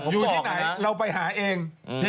อยู่ที่ไหนเราไปหาเอง